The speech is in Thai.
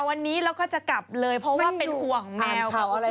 ไปเอามาจากขาวใหญ่